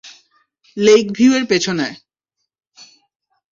Lake view এর পেছেনে।